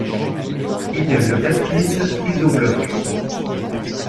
Il le baptise Isobloc.